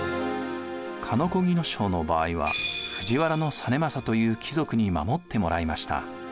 鹿子木荘の場合は藤原実政という貴族に守ってもらいました。